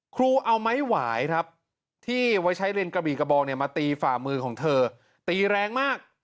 ครูเอาไม้หวายครับที่ไว้ใช้เลนกระบี่กระบองเนี่ยมาตีฝ่ามือของเธอตีแรงมาก